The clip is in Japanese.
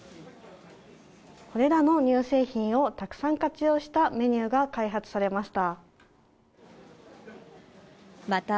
これらの乳製品をたくさん活用したメニューが開発されました。